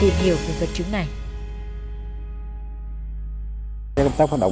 ngay lập tức